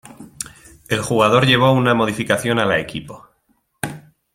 El jugador llevó una modificación a la equipo.